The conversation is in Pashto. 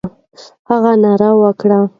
هغې ناره وکړه.